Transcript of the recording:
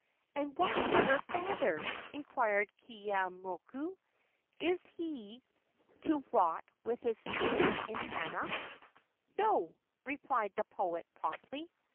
"And what of her father?" inquired Keeaumoku. "Is he to rot with his spears in Hana?" "No," replied the poet, promptly.